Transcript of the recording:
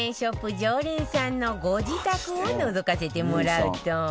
常連さんのご自宅をのぞかせてもらうと